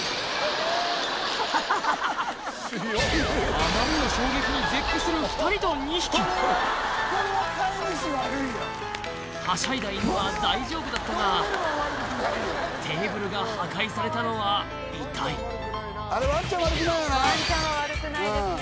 あまりの衝撃に絶句する２人と２匹はしゃいだ犬は大丈夫だったがテーブルが破壊されたのは痛いワンちゃんは悪くないですね。